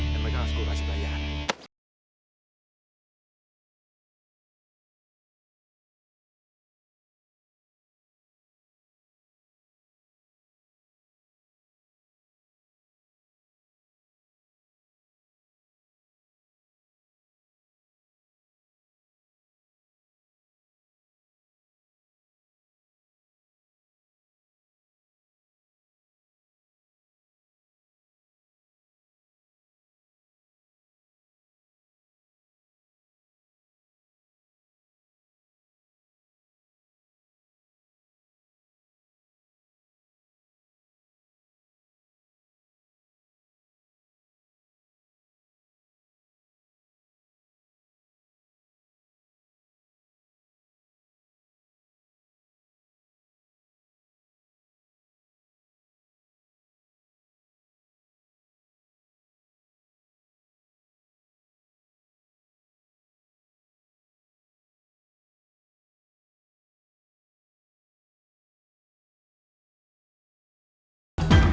dan mereka harus gue kasih bayar